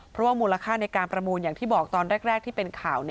เพราะว่ามูลค่าในการประมูลอย่างที่บอกตอนแรกที่เป็นข่าว